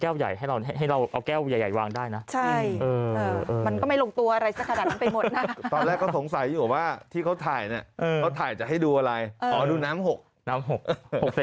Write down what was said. นี่แหละค่ะเขาก็กังวลไงว่าเกียร์รถเขาจะเป็นอะไรรึเปล่านะคะ